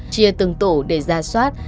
chia từng tổ để ra số thông tin để truy tìm